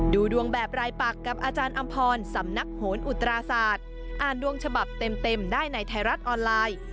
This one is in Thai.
ดูดวงแบบรายปักกับอาจารย์อำพรสำนักโหนอุตราศาสตร์อ่านดวงฉบับเต็มได้ในไทยรัฐออนไลน์